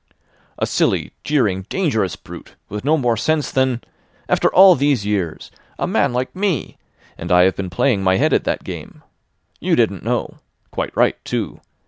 "A silly, jeering, dangerous brute, with no more sense than—After all these years! A man like me! And I have been playing my head at that game. You didn't know. Quite right, too.